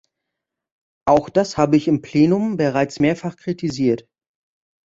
Auch das habe ich im Plenum bereits mehrfach kritisiert.